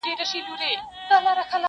موږ پخپله یو له حل څخه بېزاره٫